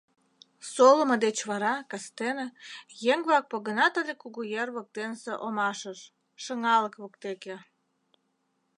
Солымо деч вара кастене еҥ-влак погынат ыле Кугуер воктенысе омашыш, шыҥалык воктеке.